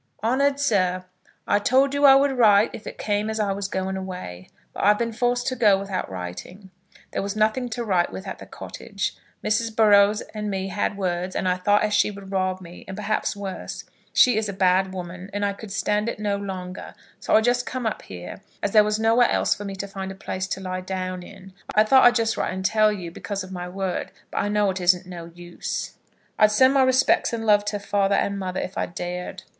HONOURED SIR, I told you that I would write if it came as I was going away, but I've been forced to go without writing. There was nothing to write with at the cottage. Mrs. Burrows and me had words, and I thought as she would rob me, and perhaps worse. She is a bad woman, and I could stand it no longer, so I just come up here, as there was nowhere else for me to find a place to lie down in. I thought I'd just write and tell you, because of my word; but I know it isn't no use. I'd send my respects and love to father and mother, if I dared.